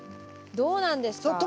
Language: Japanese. どうなんですか？